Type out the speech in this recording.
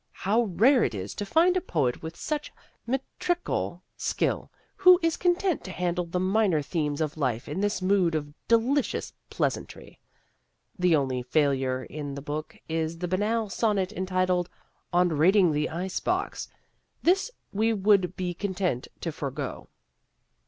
How rare it is to find a poet with such metrical skill who is content to handle the minor themes of life in this mood of delicious pleasantry. The only failure in the book is the banal sonnet entitled "On Raiding the Ice Box." This we would be content to forego.